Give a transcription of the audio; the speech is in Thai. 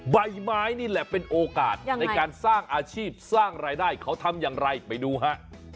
ใบไม้นี่แหละเป็นโอกาสในการสร้างอาชีพสร้างรายได้เขาทำอย่างไรไปดูฮะ